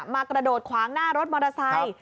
กระโดดขวางหน้ารถมอเตอร์ไซค์